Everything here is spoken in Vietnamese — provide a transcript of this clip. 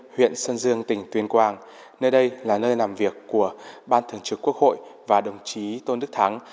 huyện sơn dương tỉnh tuyên quang nơi đây là nơi làm việc của ban thường trực quốc hội và đồng chí tôn đức thắng